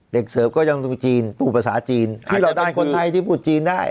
เสิร์ฟก็ยังดูจีนพูดภาษาจีนอาจจะเป็นคนไทยที่พูดจีนได้